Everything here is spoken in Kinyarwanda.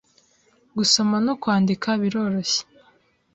gusoma no kwandika biroroshye,